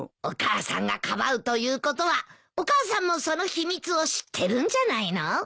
お母さんがかばうということはお母さんもその秘密を知ってるんじゃないの？